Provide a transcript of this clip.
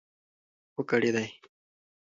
و کړېدی .